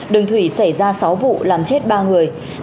đường thủy xảy ra sáu vụ làm chết ba người